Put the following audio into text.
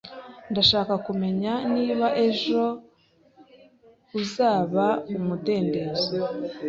Ndashaka kumenya niba ejo uzaba umudendezo